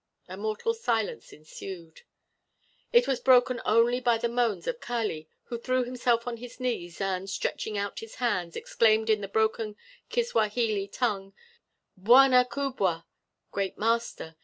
And mortal silence ensued. It was broken only by the moans of Kali, who threw himself on his knees and, stretching out his hands, exclaimed in the broken Kiswahili tongue: "Bwana kubwa! (Great master!)